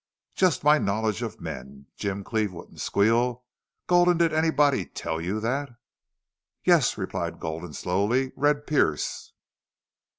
"Just my knowledge of men. Jim Cleve wouldn't squeal.... Gulden, did anybody tell you that?" "Yes," replied Gulden, slowly. "Red Pearce."